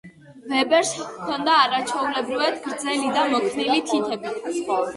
ვებერს ჰქონდა არაჩვეულებრივად გრძელი და მოქნილი თითები.